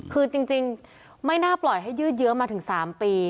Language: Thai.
คือจริงไม่น่าปล่อยให้ยืดเยอะมาถึง๓ปี